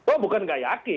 oh bukan enggak yakin